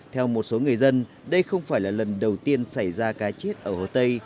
theo một số người dân đây không phải là lần đầu tiên xảy ra cá chết ở hồ tây